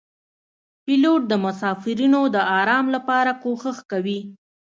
پیلوټ د مسافرینو د آرام لپاره کوښښ کوي.